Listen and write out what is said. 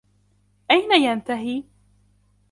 أين ينتهي؟